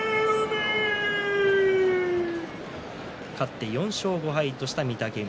勝って４勝５敗とした御嶽海